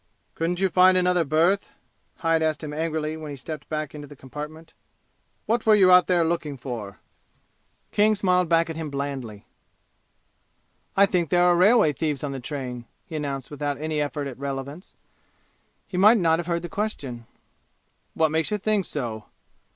"Couldn't you find another berth?" Hyde asked him angrily when he stepped back into the compartment. "What were you out there looking for?" King smiled back at him blandly. "I think there are railway thieves on the train," he announced without any effort at relevance. He might not have heard the question. "What makes you think so?"